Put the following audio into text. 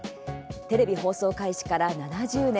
テレビ放送開始から７０年。